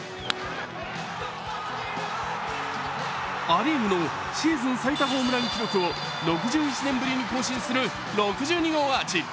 ア・リーグのシーズン最多ホームラン記録を６１年ぶりに更新する６２号アーチ。